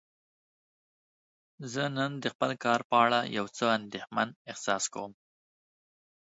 زه نن د خپل کار په اړه یو څه اندیښمن احساس کوم.